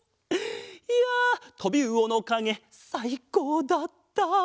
いやとびうおのかげさいこうだった。